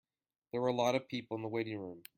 There were a lot of people in the waiting room.